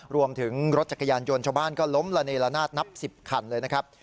รวมถึงรถจักรยานยนต์ชาวบ้านก็ล้มละเนละนาดนับ๑๐คันเลยนะครับ